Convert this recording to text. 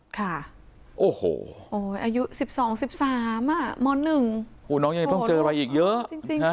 ค่ะโอ้โหอายุ๑๒๑๓มา๑ต้องเจออะไรอีกเยอะ